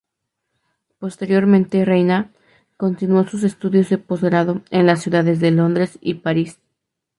Posteriormente Reina, continúo sus estudios de postgrado en las ciudades de Londres y París.